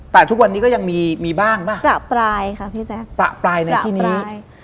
แต่ทุกวันนี้ก็ยังมีมีบ้างป่ะประปรายค่ะพี่แจ๊คประปรายในที่นี้ใช่